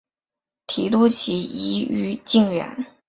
提督旗移于靖远。